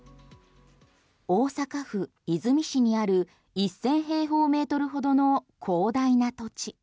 大阪府和泉市にある１０００平方メートルほどの広大な土地。